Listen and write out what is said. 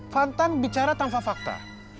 fantan bicara tanpa fakta